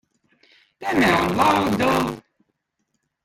tämä on laudõll